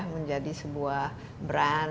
menjadi sebuah brand